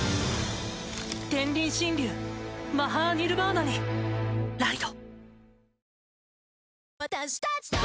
天輪真竜マハーニルヴァーナにライド！